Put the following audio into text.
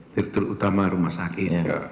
direktur utama rumah sakit